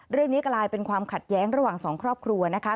เรื่องนี้กลายเป็นความขัดแย้งระหว่างสองครอบครัวนะคะ